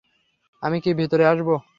আমি কি ভিতরে আসবো?